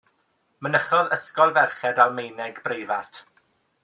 Mynychodd ysgol ferched Almaeneg breifat.